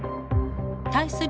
対する